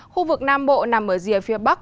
khu vực nam bộ nằm ở rìa phía bắc